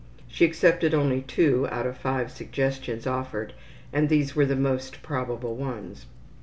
She accepted only 2 out of 5 suggestions offered and these were the most probable ones.